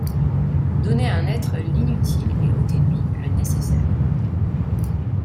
Donnez à un être l’inutile et ôtez-lui le nécessaire